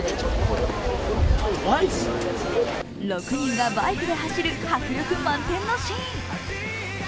６人がバイクで走る迫力満点のシーン。